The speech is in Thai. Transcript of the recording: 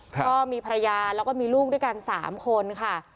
ก็มีภรรยาแล้วก็มีลูกด้วยกัน๓คนค่ะ